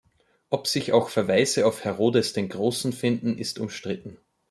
Ob sich auch Verweise auf Herodes den Großen finden, ist umstritten.